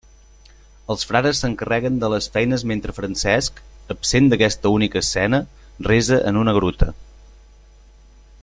Els frares s'encarreguen de les feines mentre Francesc, absent d'aquesta única escena, resa en una gruta.